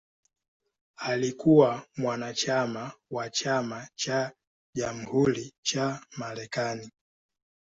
Alikuwa mwanachama wa Chama cha Jamhuri cha Marekani.